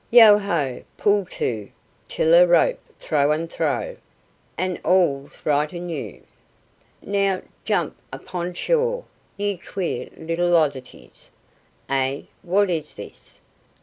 "Yeo ho! Pull to Tiller rope thro' and thro'!" And all's right anew. "Now, jump upon shore, ye queer little oddities. (Eh, what is this?